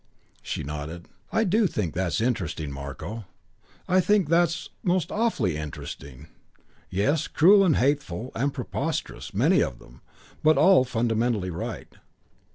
She nodded. "I do think that's interesting, Marko. I think that's most awfully interesting. Yes, cruel and hateful and preposterous, many of them, but all fundamentally right.